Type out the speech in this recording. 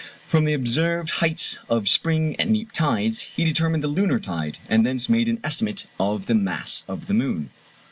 From the observed heights of spring and neap tides he determined the lunar tide, and thence made an estimate of the mass of the moon.